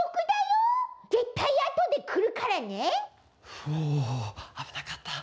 ふおあぶなかった。